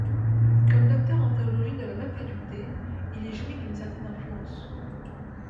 Comme docteur en théologie de la même faculté il y jouit d'une certaine influence.